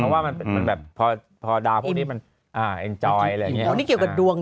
เพราะว่ามันแบบพอดาวพวกนี้มันเอ็นจอยอะไรอย่างนี้เกี่ยวกับดวง